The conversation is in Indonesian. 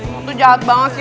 lu jahat banget sih